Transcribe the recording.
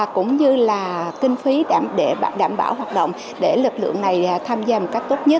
cũng như là kinh phí để đảm bảo hoạt động để lực lượng này tham gia một cách tốt nhất